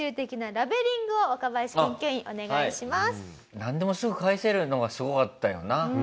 なんでもすぐ返せるのがすごかったよな。